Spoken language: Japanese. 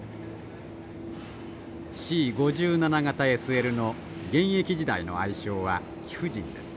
Ｃ５７形ＳＬの現役時代の愛称は貴婦人です。